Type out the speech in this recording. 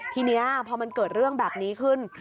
ทีนี้พอมันเกิดเรื่องแบบนี้ขึ้น